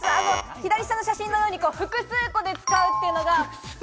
左下の写真のように、複数個で使うというのが。